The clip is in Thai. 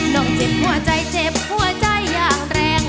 ต้องเจ็บหัวใจเจ็บหัวใจอย่างแรง